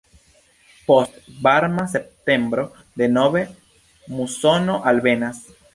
Post varma septembro denove musono alvenas.